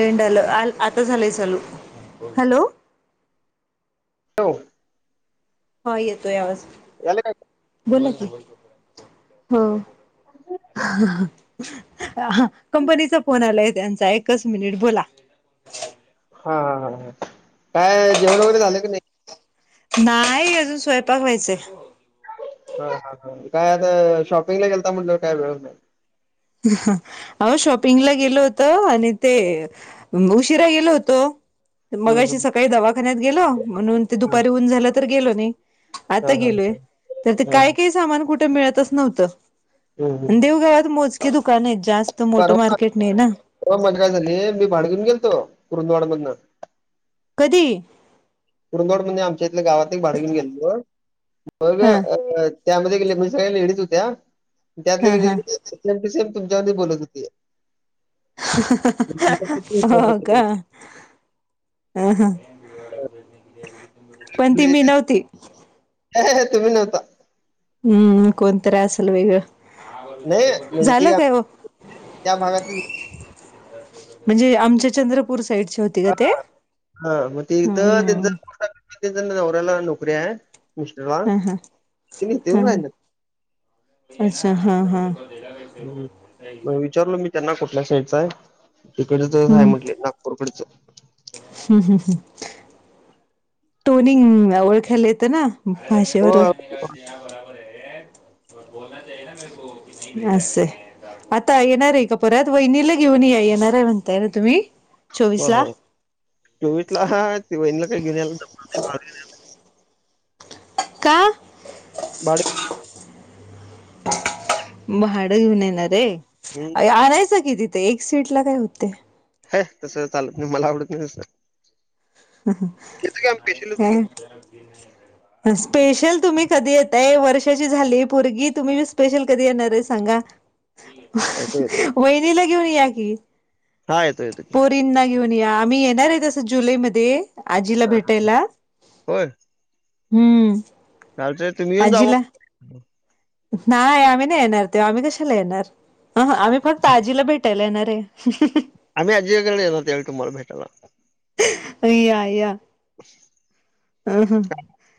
लंड आलं आता झालंय चालू हॅलो हो हा येतोय यावज एला बोला क हो कंपनीचा फोन आलाय त्यांचा एकच मिनिट बोला हा हा हा ह काय जेवण वगैरे झालं की नाही नाही अजून स्वयंपाक व्हायचंय ह हा काय आता शॉपिंगला गेलता म्हणलंवर काय वेळ नाही अ शॉपिंगला गेल होत आणि ते उशिरा गेलो होतो मग हम्म अशी हम्म सकाळी दवाखान्यात गेल म्हणून ते हा दुपारी ऊन झालं तर गेलो नाही हा आता हा गेलोय तर ते हा काय काही सामान कुठे मिळतच हम्म नव्हतं हम्म देवगावात मोजके दुकान आहेत जास्त मोठं मार्केट नाही ना हो मग काय झालीय मी भाड घेऊन गेलतो कुरुंदवाड मधन कधी कुरंदवड म्हणजे आमच्या इथल्या गावात एक भाड घऊन गेलो मग हा अ त्यामध्ये गेले म्हणजे सगळ्या लेडीज होत्या त्यातले हा गे हा लेज सेम टू सेम तुमच्या म बोलत होते हो का हम हा तुम्ही नव्हता हम्म कोणत असल वेगळ नाही म्हणजे ती झालं काय आम- हो त्या भागातली म्हणजे आमच्या चंद्रपूर साईड होते हा मग तिथ हम् त्यांच नवऱ्याला नोकरी आहे मिस्टर वान हा हा तुम्ही इथे हा येऊन राहिलात. अच्छा हा हा. हम्म म विचारलो मी त्यांना कुठल्या शेचा आहे तिकडच म्हटले नाग ''--'' पुरपडच. हम हम हम. टोनिंग ओळखायला येतं ना भाषेवरून. होय. अस हाय. आता येणार आहे का परत वहिनीला घेऊन या येणार आहे म्हणताय ना तुम्ही. चोवीस हो हो ला चोवीसला हा वहिणीला काही घेण्याला द नाही बा [unintelligible] का. भाडं किती. भाडं घेऊन येणार रे हं, आणायचं कि तिथे एक सीटला काय होतय. हे तसं चालत नाही मला आवडत नाही तसं. ह येतो की आम्ही स्पेशल येतो की. ह, काय. स्पेशल तुम्ही कधी यताय वर्षाची झाली परगी तुम्ही स्पेशल कधी येणार आहे सांगा. येतो, येतो, येतो. वहिनीला घेऊन या की. हां, येतो, येतो की. पोरींना घेऊन या आम्ही येणार आहे तसं जुलैमध्ये. आजीला हा हा ह, भेटायला होय. हम्म. चालत तुम्ही येऊन जावा. आजीला नाही आम्ही नाही येणार ते आम्ही कशाला येणार. अ ह आम्ही फक्त आजीला भेटायला येणार आहे. आम्ही आजीच्या घराकडे येणार त्यावेळी तुम्हाला भेटायला. या या. - [inaudible] अ ह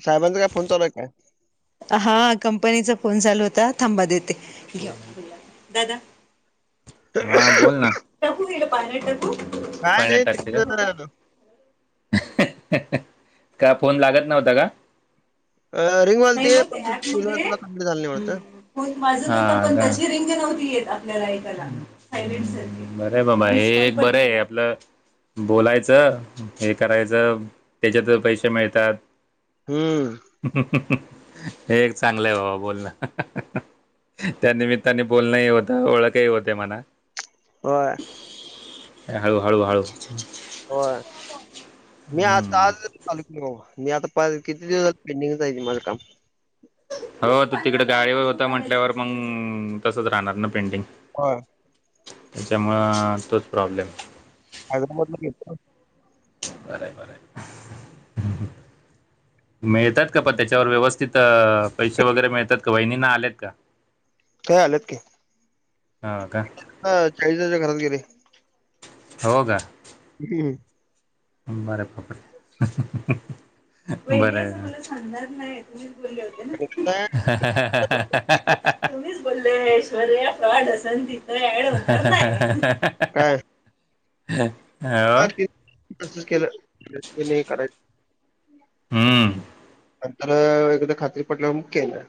साहेबांचा काय फोन चालू हाय काय. हा कंपनीचा फोन चालू होता थांबा देते घ्याव ओ. दादा. हा बोल ना काय पाळण्यात नाही टाकते तेच का. का फोन लागत नव्हता का. अ रिंग वाजली नही हो पण ते ऍप तुझं तुला मध्ये. कंप्लीट झालं नाही ह वाटतं. पण माझ आपची रिंग नव्हती येत आपल्याला ऐकायला. बर आहे बाबा हे एक बरंये आपलं. बोलायचं हे करायचं त्याच्यात पैसे मिळतात. हम्म. हे एक चांगलंय बाबा बोलणं. त्यानमित्ताने बोलणही होत ओळखही होते म्हणा. होय. ए हाळू हाळू हाळू. होय. मी आता आजच चालू केलं भावा मी पाच आता किती दिवस झाल पेंडिंगला आहे माझं काम. हो तू तिकडे गाडीवर होता म्हटल्यावर मग तसंच राहणार ना पेंटिंग. काय. त्याचमुळं तोच प्रॉब्लेम. हवेमधला गिफ्ट बरं बरं हू हू मिळतात का प त्याच्यावर व्यवस्थित पैसे वगैरे मिळतात का? वहिणींना आलेत का? होय आलेत की. ह का. हा चाळीस हजाराच्या घरात गेले. हो का. [unintelligible] बर पापर बर तुम्हीच बोले होते ना, काय ह ह हा हा हा तुम्हीच बोलले ऐश्वर्या एड हो संगीता एड हो ह ह हो. तसं केलं केलं कराय हम्म नंतर एकादा खात्री पटल्यावर मग केलं.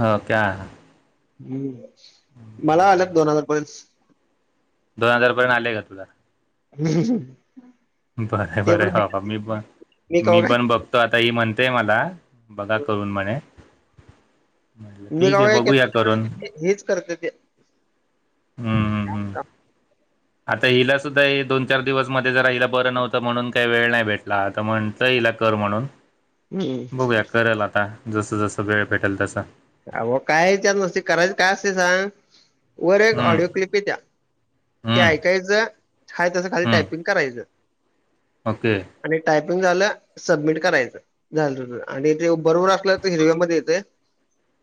हो का. हम्म मला आलंत दोन हजार पर्यंत. दोन हजार पर्यंत आलेय का तुला? [unintelligible] ते बर-बर पण हो हो मी पण मी कवा काय पण बघतो आता ही म्हणतेय मला. बघा करून म्हणे. म्हटलं मी ठीके कवा काय बघूया केलं करून, हेच करते ते हम्म हम्म काम. आता हिला सुद्धा हे दोन चार दिवस म जरा हिला बरं नव्हतं म्हणून काही वेळ नाही भेटला आता म्हण म्हटलं इला कर म्हणून हं. बघूया करेल आता जसं जसं वेळ भेटेल तसं. अहो काय हच्यात नसती करायच काय असते सांग वर एक हम्म ऑडिओ क्लिप येत्या ते हम्म ऐकायचं हाये तसं खाली टायपिंग हम्म करायचं. ओके. आणि टायपिंग झालं सबमिट करायचं झालं तु आणि ते बरोबर असलं तर हिरव्यामध्ये येतेय.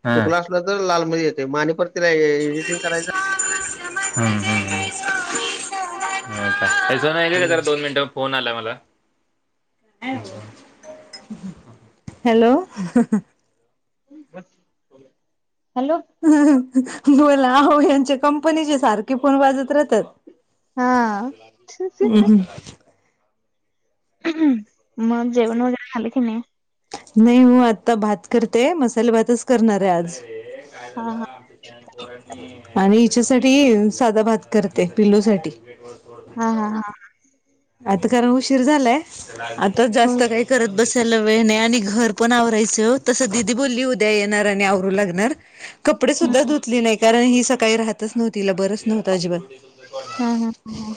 हां चुकला असलं तर लाल मध्ये येते म आणि परत तिला एडिटिंग करायच. हम्म-हम्म हो का ये सोन्या इकडं ये हम्म. जरा दोन मिनिटं. फोन आला मला. हॅलो. हॅलो. बोला आहो यांच्या कंपनीचे सारखे फोन वाजत राहतात. हा हम्म-हम्म. मग जेवन वगैरे झालं की नाही? नाही म आता भात करते मसाले भातच करणार आहे आज. हा हा आणि हिच्यासाठी साधा भात करते पिल्लू साठी. हा-हा-हा आता कारण उशीर झालाय आताच जास्त काही करत बसायला वेळ नाही आणि घर पण आवरायचं ओ तसं दिदी बोलली उद्या येणार आणि आवरू लागणार. कपडे सुद्धा धुतली नाही कारण ही सकाळी राहतच नव्हती हिला बरंच नव्हत अजिबात. हा-हा ह-ह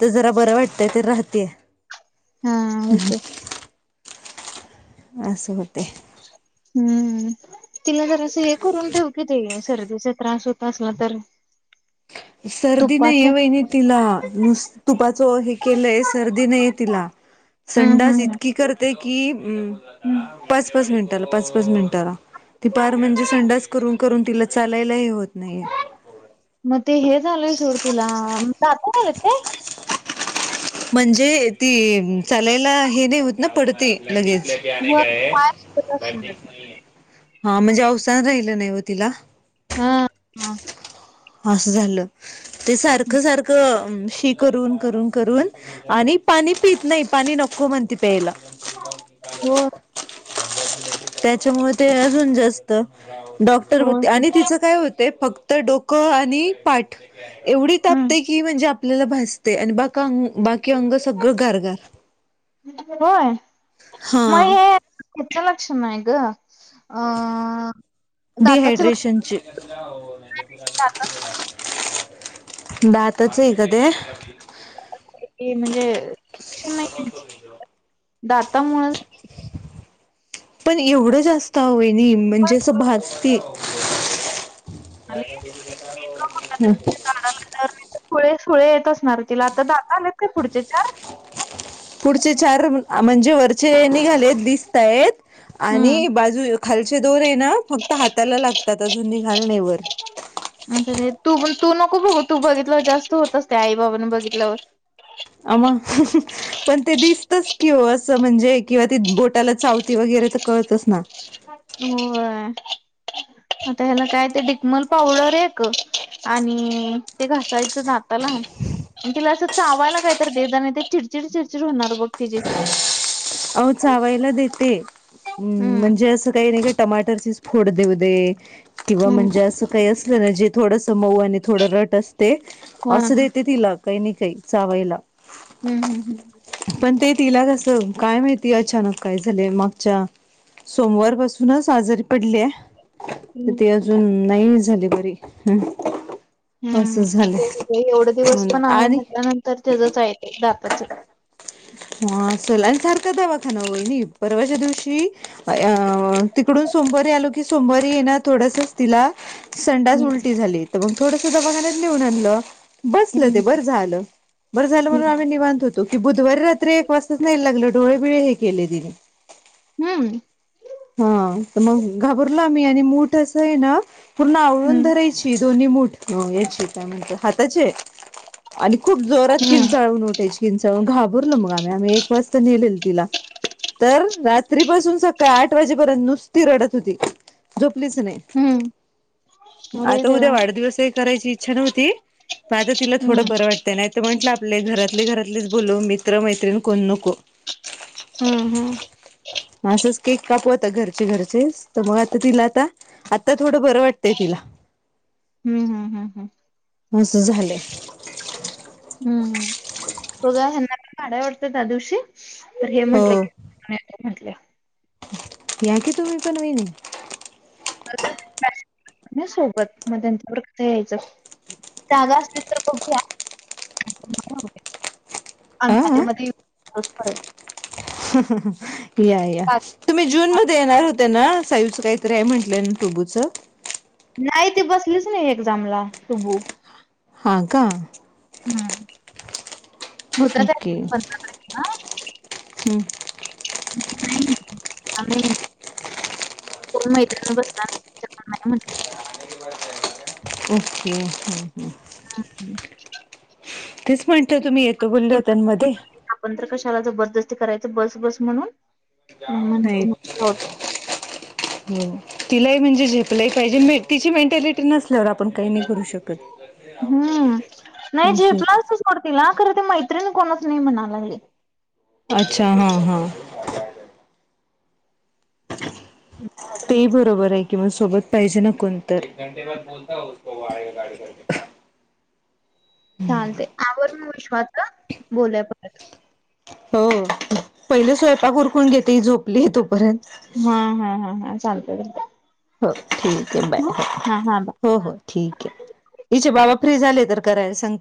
आता जरा बरं वाटतंय तर राहत्या. हा ओके [inaudible] आसं होतंय. हम्म तिला [unintelligible] जर असं हे करून ठेव कि ते सर्दीचा त्रास होत असला तर. [inaudible] सर्दी नाहीये तुपाचं वहिणी तिला, नुस -तुपाचं हे केलंय सर्दी नाहीये तिला. हम्म संडास हम्म इतकी करते कि म हम्म [unintelligible] पाच मिनिटाला पाच-पाच मिनिटाला. [unintelligible] ती पार म्हणजे संडास करून-करून तिला चालायलाही होत नाहीये. मग ते हे झालंय सोड तिला दात याल्यात काय? म्हणजे ती चालायला हे नाही होत ना पडते लगेच. [unintelligible] व पाय दुखत असणार. आहेत. [unintelligible] हा म्हणजे अवसान राहिलं नाही ओ तिला. हा-हा असं झालं ते हो सारखं-सारखं शी करून-करून-करून. आणि पाणी पित नाही, पाणी नको म्हणते प्यायला. [unintelligible] हो. [inaudible] त्याच्यामुळे ते अजून जास्त डॉ क्टर [unintelligible] ओके आणि तिचं काय होते फक्त डोकं आणि पाट एवढी हम्म तापतय की म्हणजे आपल्याला भाझतय आणि बाकांग बाकी अंग सगळं गार-गार. होय हा मग हे कुठं लक्षण नाही ग? अ दाताच लक्ष डिहायड्रेशनचे. दातात [inaudible] [inaudible] दातच आहेत ते. म्हणजे नाही [unintelligible] दाता मुळ पण एवढं जास्त अहो वाहिनी म्हणजे असं दाडाला भाजतीये. [unintelligible] हम्म. दाढा आल्या नाही तर, सुळे -सुळे येत असणार तिला आता दाता आलेत काय पुढचे चार? पुढचे चार, आ म्हणजे वरचे निघालेत दिसतायेत. हम्म आणि बाजू- खालचे दोन आहे ना, फक्त हाताला लागतात अजून निघाले नाही वर. [unintelligible] तू -तू नको बघ तू बघितलंवर जास्त होत असते आई बाबाने बघितल्यावर. आ मंग [inaudible] पण ते दिसतच कि, ओ असं म्हणजे किंवा ती बोटाला चावती वगैरे तर कळतच ना. [inaudible] होय. आता ह्याला काय ते डिकमल पावडर एक आणि ते घासायचं दात ताला, तिला असं चावायला कायतरी दे जा नाही ते चिडचिड-चिडचिड होणार बघ तिची. अहो चावायला देते हम्म म्हणजे असं काही नाही का टमाटरचीच फोड देऊ दे किंवा हम्म म्हणजे असं काही असलं ना जे थोडंस मऊ आणि थोडं रट असते हा असं देते तिला काही नाही काही चावायला. हम्म -हम्म -हम्म. पण ते तिला तसं काय माहित. ती अचानक काय झालेय, मागच्या सोमवार पासूनच आजारी पडल्या. तर हम्म ती अजून नाही झाली बरी हम्म. हम्म ते म्हणजे एवढं दिवस म्हणून पण आहे आणि म्हटल्यानंतर तेजच आहे ते दाताचं. मग सोलांइन सारखा दवाखाना वहिनी परवाच्या दिवशी आया तिकडून सोमवारी आलो की सोमवारी ही ना थोडसंच तिला संडास हम्म उलटी झाली तर मग थोडसं दवाखान्यात नेऊन आणलं. बसलं ते हम्म बरं झालं बरं झालं म्हणून हम्म आम्ही निवांत होतो की बुधवारी रात तर एक वाजताच न्यायला लागलं डोळेबिळे हे केले तिने हम्म. हा तर मग घाबरलो आम्ही आणि मूठ असं आहे ना पूर्ण आवळून धरायची. ती दोन्ही मुठं अह याची काय म्हणता हाताचे आणि खूप जोरात हम्म किंचाळून उठायची किंचाळून घाबरलो मग आम्ही आम्ही एक वाजता नेलेल तिला. तर रात्रीपासून सकाळ आठ वाजेपर्यंत नुसती रडत होती झोपलीच नाही. हम्म. अरे आता देवा उद्या वाढदिवस आहे करायची इच्छा नव्हती पण आता तिला हम्म थोडं बरं वाटत. त्यांना तर म्हंटलं आपले घरातले घरातलेच बोलवू मित्र मैत्रीण कोण नको. हम्म हम्म. मग असंच केक कापू आता घरचे घरचे तर मग आता तिला आता आता थोडं बरं वाटतंय तिला. हम्म हम्म हम्म हम्म. असं झालं. हम्म हम्म उगा ह्यांना [unintelligible] काढाय वाटत त्या दिवशी तर हे हो म्हंटले आणि म्हंटले या की तुम्ही पण वहिनी [inaudible] नाही सोबत मग त्यांच्या बरोबर यायचं जागा असतील तर बघूया. [unintelligible] आम्ही आ आधी मधी येतो पाऊस परत या या तुम्ही जून मध्ये येणार हो त्यांना सायूचं काहीतरी आहे म्हंटलंय न टोबूचं नाही त बसलीच नाही एक्झामला टुबू हां का. हम्म मुद्दा ओके काय [unintelligible] आणि कोण मैत्रिणी वर बसणारं नाही म्हंटले. ओके हम्म हम्म. ह तेच म्हणटलं तुम्ही येतो बोलल त्यांमध्ये आपण तर कशाला जबरदस्ती करायचं बस बस म्हणून नाही हो तिलाही म्हणजे झेपलय पाहिजे, तिची मेंटॅलिटी नसल्यावर आपण काही नाही करू शकत. हम्म नाही झेपणारचं सोड तील खरं ते मैत्रिण कोणचं नाही म्हणाय लागली. अच्छा हां हां. हम्म. तेही बरोबर आहे किंवा सोबत पाहिजे ना कोण एक घंटे बाद बोलतासो गाडी कर चालते आवड म विश्वास का बोलाय परत हो पहिले स्वयंपाक उरकून घेते झोपली तोपर्यंत हम् हम हम हा ांत हो ठीक आहे बाय हा बाय. हो हो हो ठीक आहे इच बाबा फ्री झाले तर कराय सगते